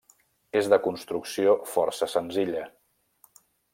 És de construcció força senzilla.